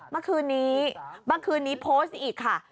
เมื่อคืนนี้โพสต์อีกค่ะ